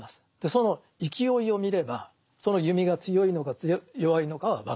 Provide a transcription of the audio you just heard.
その勢いを見ればその弓が強いのか弱いのかは分かる。